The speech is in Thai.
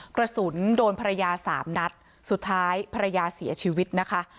กระสุนโดนภรรยาสามนัดสุดท้ายภรรยาเสียชีวิตนะคะ